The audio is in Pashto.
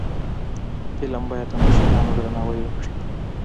فلم باید د مشرانو درناوی وکړي